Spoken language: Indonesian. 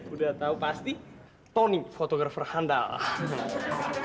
udah tahu pasti tony fotografer handal